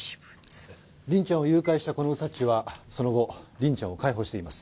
凛ちゃんを誘拐したこのウサっチはその後凛ちゃんを解放しています。